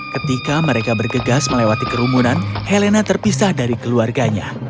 ketika mereka bergegas melewati kerumunan helena terpisah dari keluarganya